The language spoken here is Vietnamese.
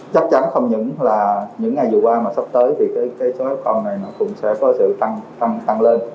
chắc chắn không những là những ngày vừa qua mà sắp tới thì cái số form này nó cũng sẽ có sự tăng lên